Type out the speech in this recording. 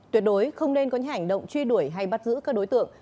tuyệt đối không nên có những hành động truy đuổi hay bắt giữ các đối tượng